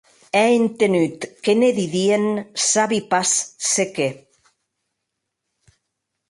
È entenut que ne didien sabi pas se qué.